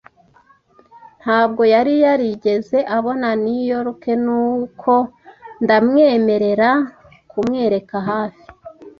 Ntabwo yari yarigeze abona New York, nuko ndamwemerera kumwereka hafi.